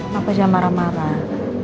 bapak jangan marah marah